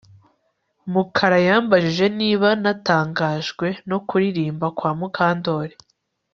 Mukara yambajije niba natangajwe no kuririmba kwa Mukandoli